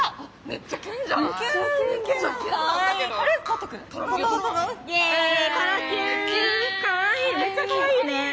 めっちゃかわいいね！